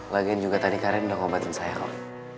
lagian juga tadi karin udah ngobatin saya kok